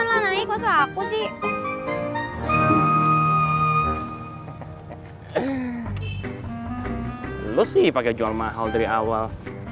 halo lu sipa jual mahal dari awal